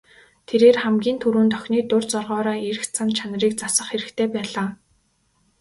Тэрээр хамгийн түрүүнд охины дур зоргоороо эрх зан чанарыг засах хэрэгтэй байлаа.